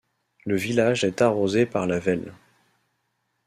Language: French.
Le village est arrosé par la Vesle.